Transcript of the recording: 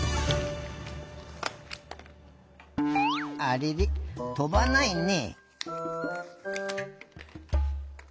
あれれとばないねえ。